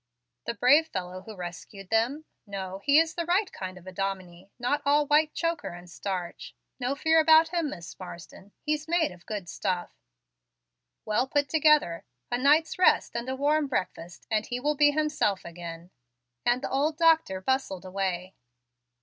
"The brave fellow who rescued them? Now he is the right kind of a dominie, not all white choker and starch. No fear about him, Miss Marsden. He's made of good stuff, well put together. A night's rest and a warm breakfast, and he will be himself again"; and the old doctor bustled away.